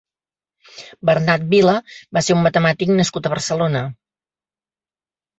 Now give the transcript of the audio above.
Bernat Vila va ser un matemàtic nascut a Barcelona.